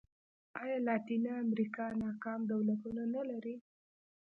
ایا لاتینه امریکا ناکام دولتونه نه لري.